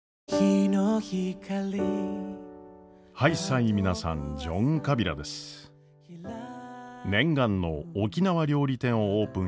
念願の沖縄料理店をオープンした暢子。